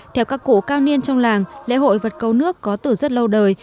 theo các cụ cao niên trong làng lễ hội vật cầu nước có từ rất lâu đời